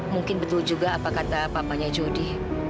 mungkin betul juga apa kata papanya jody